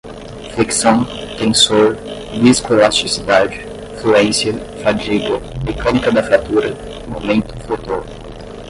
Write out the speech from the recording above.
flexão, tensor, viscoelasticidade, fluência, fadiga, mecânica da fratura, momento fletor